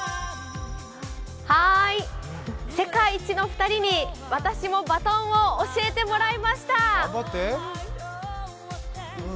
世界一の２人に私もバトンを教えてもらいました。